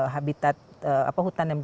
habitat hutan yang